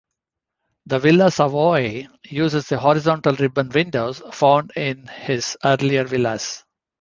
The Villa Savoye uses the horizontal ribbon windows found in his earlier villas.